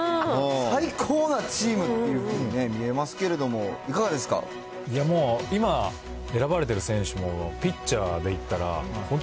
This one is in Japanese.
最高なチームっていうふうに見えますけれども、いかがですかいや、もう、今、選ばれてる選手もピッチャーでいったら、本当